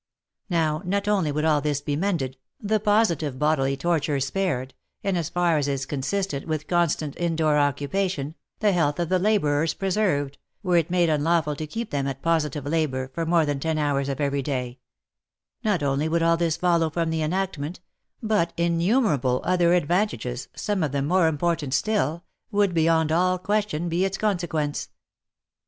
Now not only would all this be mended, the positive bodily torture spared, and as far as is consistent with constant in door occupation, the health of the labourers preserved, were it made unlawful to keep them at positive labour for more than ten hours of every day ; not only would all this follow from the enactment, but innu merable other advantages, some of them more important still, would, OF MICHAEL ARMSTRONG, 207 beyond all question, be its consequence.